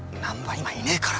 今いねえから。